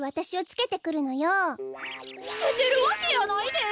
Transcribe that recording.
つけてるわけやないで！